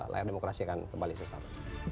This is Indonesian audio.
layar demokrasi akan kembali sesaat